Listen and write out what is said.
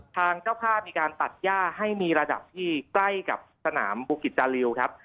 ทางเจ้าภาพมีการตัดย่าให้มีระดับที่ใกล้กับสนามบุกิจจาริวครับ